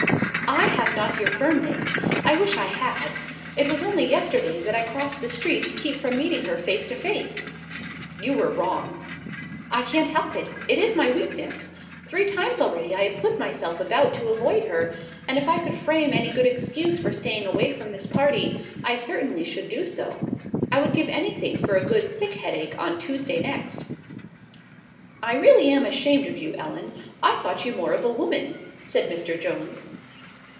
"I have not your firmness. I wish I had. It was only yesterday that I crossed the street to keep from meeting her face to face." "You were wrong." "I can't help it; it is my weakness. Three times already have I put myself about to avoid her; and if I could frame any good excuse for staying away from this party, I certainly should do so. I would give any thing for a good sick headache on Tuesday next." "I am really ashamed of you, Ellen. I thought you more of a woman," said Mr. Jones.